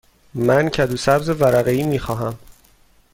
من کدو سبز ورقه ای می خواهم.